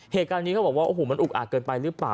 เหตุการณ์นี้เขาบอกว่าโอ้โหมันอุกอากเกินไปหรือเปล่า